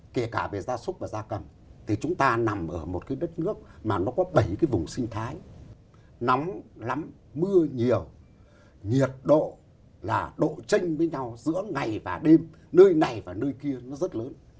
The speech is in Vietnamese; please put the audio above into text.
kể cả về gia súc và da cầm thì chúng ta nằm ở một cái đất nước mà nó có bảy cái vùng sinh thái nóng lắm mưa nhiều nhiệt độ là độ tranh với nhau giữa ngày và đêm nơi này và nơi kia nó rất lớn